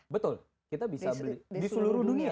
betul kita bisa beli di seluruh dunia